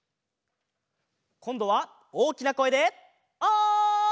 こんどはおおきなこえでおい！